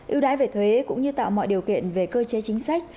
yêu đái về thuế cũng như tạo mọi điều kiện về cơ chế chính sách